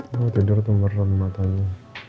mau tidur itu meron mata lo